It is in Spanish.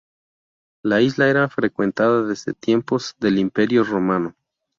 La isla era frecuentada desde tiempos del Imperio Romano.